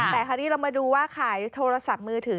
แต่คราวนี้เรามาดูว่าขายโทรศัพท์มือถือ